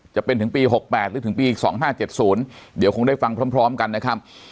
จะเป็นถึงปี๖๘หรือถึงปี๒๕๗๐เดี๋ยวคงได้ฟังพร้อมกันนะครับ